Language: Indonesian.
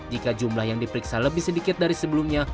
jika jumlah yang diperiksa lebih sedikit dari sebelumnya